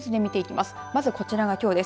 まずこちらがきょうです。